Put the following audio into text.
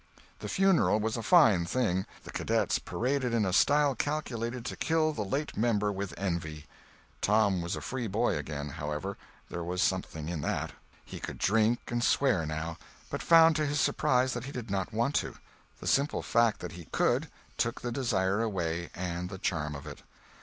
The funeral was a fine thing. The Cadets paraded in a style calculated to kill the late member with envy. Tom was a free boy again, however—there was something in that. He could drink and swear, now—but found to his surprise that he did not want to. The simple fact that he could, took the desire away, and the charm of it.